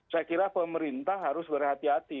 saya kira pemerintah harus berhati hati